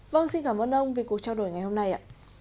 vâng xin cảm ơn ông vì cuộc trao đổi ngày hôm nay ạ